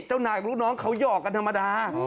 เจ้านายกับลูกน้องเขาหยอกกันธรรมดา